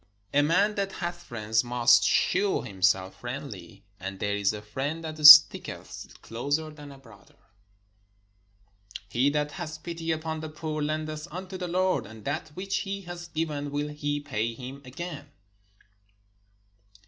A man that hath friends must shew himself friendly: and there is a friend that sticketh closer than a brother. He that hath pity upon the poor lendeth unto the Lord; and that which he hath given will he pay him again.